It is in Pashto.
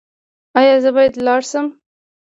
ایا زه باید لاړ شم؟